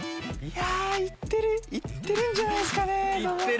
いや行ってる行ってるんじゃないっすかね。